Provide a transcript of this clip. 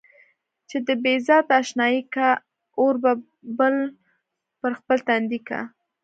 چې د بې ذاته اشنايي کا، اور به بل پر خپل تندي کا.